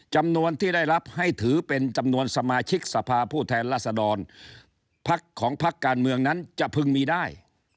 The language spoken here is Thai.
จำนวนที่ได้รับให้ถือเป็นจำนวนสมาชิกสภาผู้แทนราษดรพักของพักการเมืองนั้นจะพึงมีได้